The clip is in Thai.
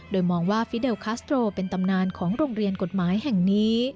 โดยมองว่าฟิเดลคัสโตรเป็นตำนานของโรงเรียนกฎหมายแห่งนี้